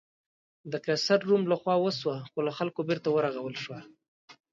د قیصر روم له خوا وسوه خو له خلکو بېرته ورغول شوه.